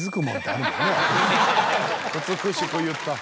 美しく言った。